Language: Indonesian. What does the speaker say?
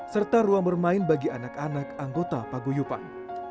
serta ruang bermain bagi anak anak anggota paguyupan